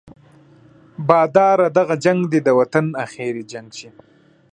باداره دغه جنګ دې د وطن اخري جنګ شي.